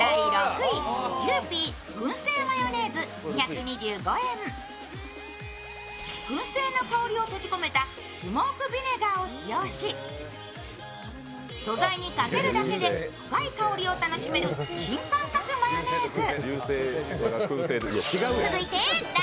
くん製の香りを閉じ込めたスモークビネガーを使用し、素材にかけるだけで深い香りを楽しめる新感覚マヨネーズ。